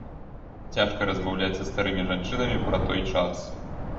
Цяжка размаўляць са старымі жанчынамі пра той час.